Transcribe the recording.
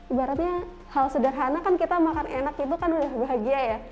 ibaratnya hal sederhana kan kita makan enak itu kan udah bahagia ya